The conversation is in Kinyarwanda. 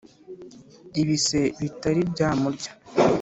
ibise bitari byamurya